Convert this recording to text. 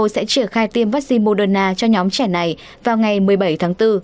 hà nội sẽ triển khai tiêm vaccine moderna cho nhóm trẻ này vào ngày một mươi bảy tháng bốn